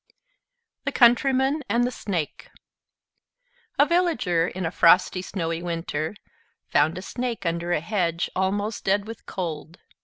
THE COUNTRYMAN AND THE SNAKE A Villager, in a frosty, snowy winter, found a Snake under a hedge, almost dead with cold.